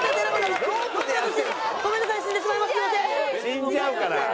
死んじゃうから。